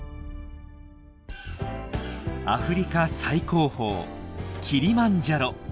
アフリカ最高峰キリマンジャロ。